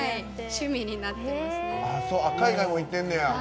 海外も行ってんねや。